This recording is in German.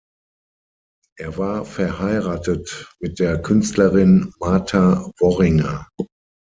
Er war verheiratet mit der Künstlerin Marta Worringer.